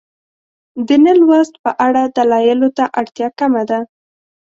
د نه لوست په اړه دلایلو ته اړتیا کمه ده.